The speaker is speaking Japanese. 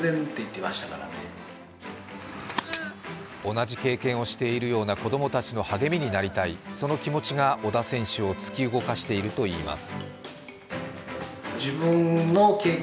同じ経験をしているような子供たちの励みになりたい、その気持ちが小田選手を突き動かしているといいます。